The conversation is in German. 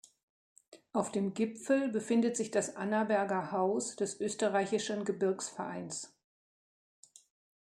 Auf dem Gipfel befindet sich das Annaberger Haus des Österreichischen Gebirgsvereins.